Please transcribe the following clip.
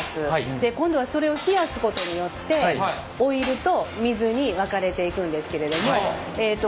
で今度はそれを冷やすことによってオイルと水に分かれていくんですけれどもえっと